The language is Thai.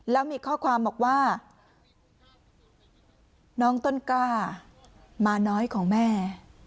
แล้วมีข้อความบอกว่าน้องต้นกล้ามาน้อยของแม่